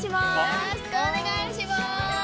よろしくお願いします。